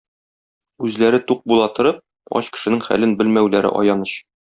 Үзләре тук була торып, ач кешенең хәлен белмәүләре аяныч.